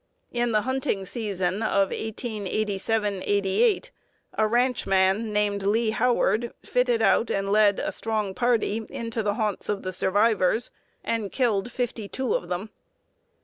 In the hunting season of 1887 '88 a ranchman named Lee Howard fitted out and led a strong party into the haunts of the survivors, and killed fifty two of them.